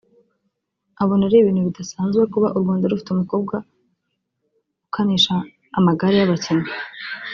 abona ari ibintu bidasanzwe kuba u Rwanda rufite umukobwa ukanisha amagare y’abakinnyi